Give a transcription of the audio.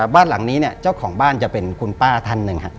บ้านหลังนี้เจ้าของบ้านจะเป็นคุณป้าท่านหนึ่ง